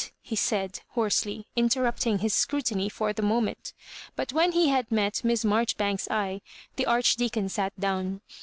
he said, hoarsely, interrapting his scrutiny for the moment But when he had met Miss Marjoribanks's eye the Archdeacon sat down.